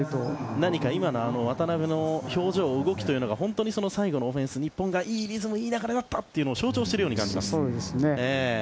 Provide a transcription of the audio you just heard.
何か今の渡邊の表情や動きが本当に最後のオフェンス日本がいいリズムいい流れだったというのを象徴しているように思います。